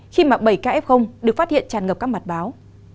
khi mạng bảy kf được phát hiện tràn ngập các mặt báo